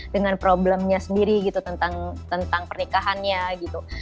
dengan problemnya sendiri gitu tentang pernikahannya gitu